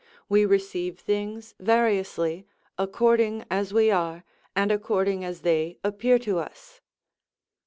We receive things variously, according as we are, and according as they appear to us.